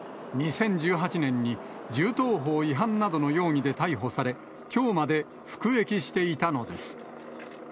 ２０１８年に、銃刀法違反などの容疑で逮捕され、きょうまで服役していたのです。